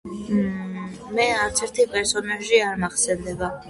მე არცერთი პერსონაჟი არ მახსენდება.